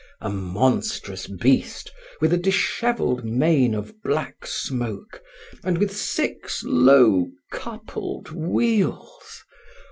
A monstrous beast with a disheveled mane of black smoke and with six low, coupled wheels!